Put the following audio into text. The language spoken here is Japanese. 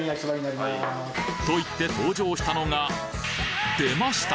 といって登場したのが出ました！